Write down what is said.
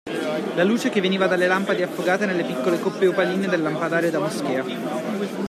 La luce che veniva dalle lampade affogate nelle piccole coppe opaline del lampadario da moschea.